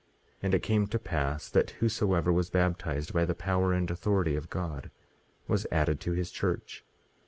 And it came to pass that whosoever was baptized by the power and authority of God was added to his church.